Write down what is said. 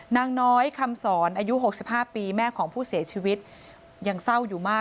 นางน้อยคำสอนอายุ๖๕ปีแม่ของผู้เสียชีวิตยังเศร้าอยู่มาก